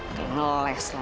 nggak boleh ngeles lagi